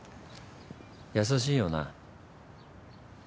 優しいよな。